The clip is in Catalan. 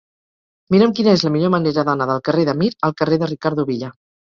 Mira'm quina és la millor manera d'anar del carrer de Mir al carrer de Ricardo Villa.